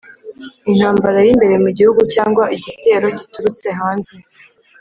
intambara y'imbere mu gihugu cyangwa igitero giturutse hanze?